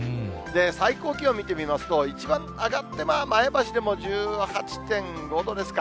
最高気温見てみますと、一番上がって、まあ、前橋でも１８．５度ですか。